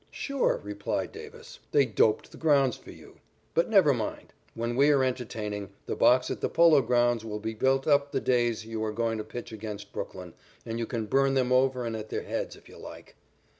"Sure," replied Davis. "They 'doped' the grounds for you. But never mind. When we are entertaining, the box at the Polo Grounds will be built up the days you are going to pitch against Brooklyn, and you can burn them over and at their heads if you like."